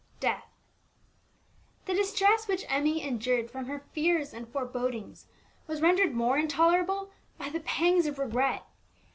DEATH. The distress which Emmie endured from her fears and forebodings, was rendered more intolerable by the pangs of regret.